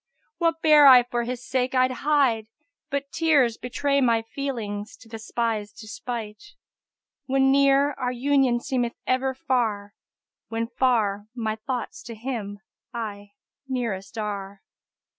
What bear I for his sake I'd hide, but tears * Betray my feelings to the spy's despight. When near, our union seemeth ever far; * When far, my thoughts to him aye nearest are."